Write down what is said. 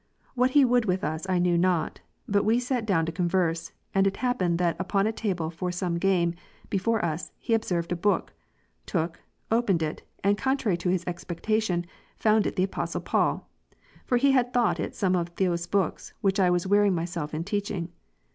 What he would with us, I know not, but we sat down to converse, and it happened that upon a table for some game, before us, he observed a book, took, opened it, and contrary to his expectation, found it the Apostle Paul ; for he had thought it some of those books, which I was wearing myself in teaching.